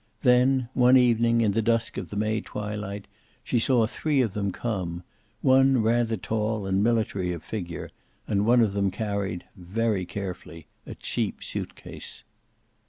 Then, one evening, in the dusk of the May twilight, she saw three of them come, one rather tall and military of figure, and one of them carried, very carefully, a cheap suitcase.